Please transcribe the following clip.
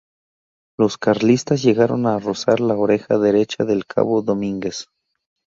Los carlistas llegaron a rozar la oreja derecha del cabo Domínguez.